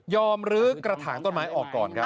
ยอมลื้อกระถางตนน้ำไม้ออกก่อนครับ